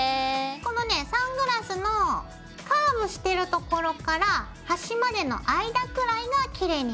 このねサングラスのカーブしてる所からはしまでの間くらいがきれいに見えるよ。